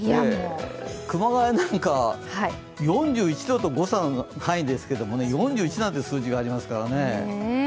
熊谷なんか４１度と、誤差の範囲ですが、４１なんていう数字がありますからね。